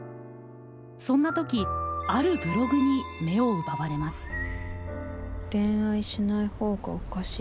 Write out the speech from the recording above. そんな時あるブログに目を奪われます。